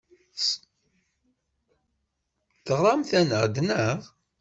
Teɣramt-aneɣ-d, naɣ?